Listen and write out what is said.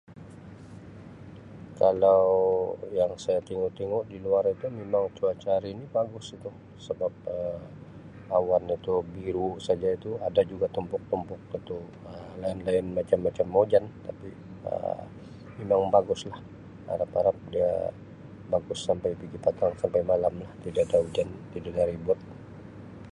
Kalau yang saya tingu-tingu di luar itu memang cuaca hari ni bagus itu sebab Um awan itu biru saja itu, ada juga tompok-tompok itu Um awan lain macam-macam mau ujan tapi Um mimang baguslah. Arap-arap dia bagus sampai pigi patang, pigi malamlah tidak ada hujan, tidak ada ribut.